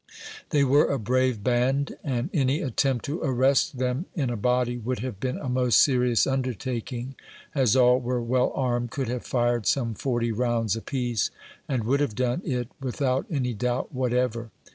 They were a brave band, and any attempt to arrest them in a body would have been a most serious undertaking, as all were well armed, could have fired some forty rounds apiece, and would have done it, without any doubt whatever.